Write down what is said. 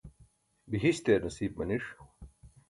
bihiśt eer nasiip maniṣ